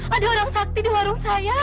ada orang sakti di warung saya